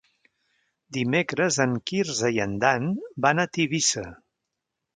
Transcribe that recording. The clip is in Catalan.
Dimecres en Quirze i en Dan van a Tivissa.